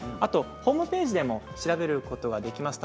ホームページでも調べることができます。